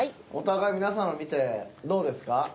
お互い皆さんの見てどうですか？